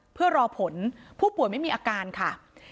เพื่อรอผลผู้ป่วยไม่มีอาการค่ะ